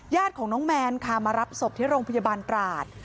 ญาติของน้องแมนค่ะมารับศพที่โรงพยาบาลตราด